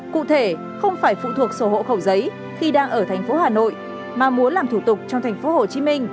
cụ thể không phải phụ thuộc sổ hộ khẩu giấy khi đang ở thành phố hà nội mà muốn làm thủ tục trong thành phố hồ chí minh